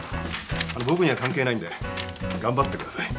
僕には関係ないんで頑張ってください。